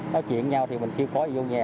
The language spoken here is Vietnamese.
nói chuyện với nhau thì mình kêu có gì vô nhà